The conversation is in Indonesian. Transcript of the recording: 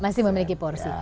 masih memiliki porsi